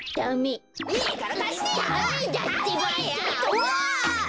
うわ！